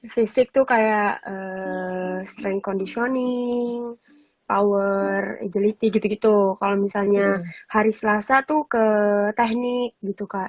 fisik tuh kayak strength conditioning power agility gitu gitu kalau misalnya hari selasa tuh ke teknik gitu kak